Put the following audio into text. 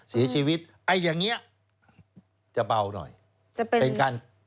เสียชีวิตไอ้อย่างเงี้ยจะเบาหน่อยจะเป็นเป็นการ